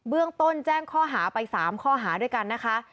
เรื่องต้นแจ้งข้อหาไป๓ข้อหาด้วยกันนะคะ